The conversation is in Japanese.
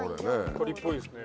鳥っぽいですね。